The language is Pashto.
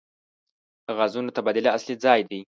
د غازونو تبادله اصلي ځای دی.